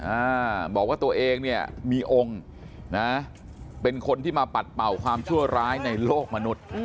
อ่าบอกว่าตัวเองเนี่ยมีองค์นะเป็นคนที่มาปัดเป่าความชั่วร้ายในโลกมนุษย์